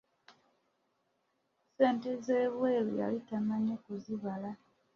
Ssente z'ebweru yali tamanyi kuzibala.